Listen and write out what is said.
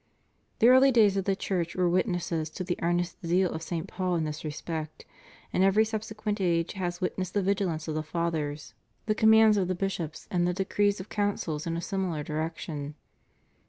The early days of the Church were witnesses to the earnest zeal of St. Paul in this respect; and every subsequent age has wit nessed the vigilance of the Fathers, the commands of 407 408 THE PROHIBITION AND CENSORSHIP OF BOOKS. the bishops, and the decrees of Councils in a similar direction.